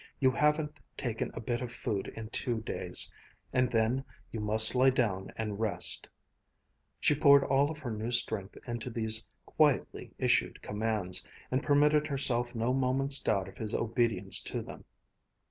You haven't taken a bit of food in two days. And then you must lie down and rest," She poured all of her new strength into these quietly issued commands, and permitted herself no moment's doubt of his obedience to them.